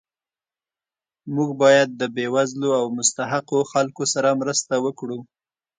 موږ باید د بې وزلو او مستحقو خلکو سره مرسته وکړو